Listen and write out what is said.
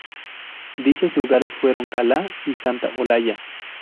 Dichos lugares fueron Cala y Santa Olalla.